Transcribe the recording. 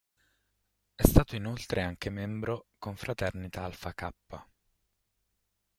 È stato inoltre anche membro confraternita "Alpha Kappa".